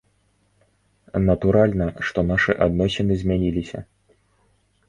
Натуральна, што нашы адносіны змяніліся.